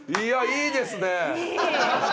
いいですね。